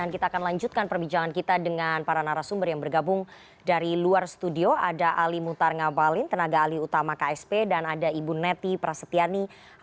kita akan lanjutkan perbincangan kita usai jeda cnn indonesia